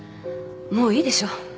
もういいでしょう。